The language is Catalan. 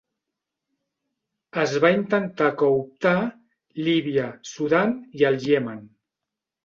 Es va intentar cooptar Líbia, Sudan i el Iemen.